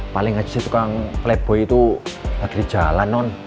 paling aja si tukang playboy itu lagi di jalan non